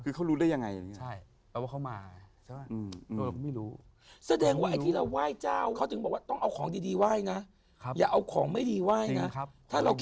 เออเรียบร้อยดีแต่พ่อก็บวนเจ็บนะ